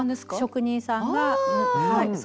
職人さんがはい。